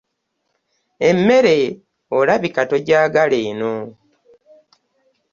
Emmere olabika togyagala eno.